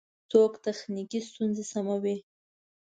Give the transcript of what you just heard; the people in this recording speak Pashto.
څوک تخنیکی ستونزی سموي؟